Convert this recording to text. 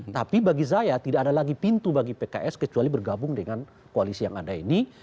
tapi bagi saya tidak ada lagi pintu bagi pks kecuali bergabung dengan koalisi yang ada ini